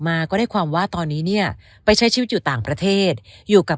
มาก็ได้ความว่าตอนนี้เนี่ยไปใช้ชีวิตอยู่ต่างประเทศอยู่กับ